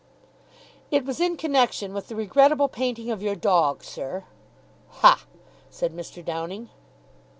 "It was in connection with the regrettable painting of your dog, sir." "Ha!" said Mr. Downing.